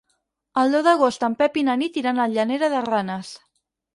El deu d'agost en Pep i na Nit iran a Llanera de Ranes.